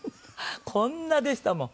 こんなでしたもん。